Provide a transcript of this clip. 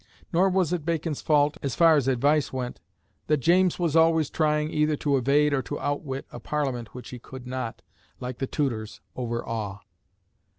Nor was it Bacon's fault, as far as advice went, that James was always trying either to evade or to outwit a Parliament which he could not, like the Tudors, overawe.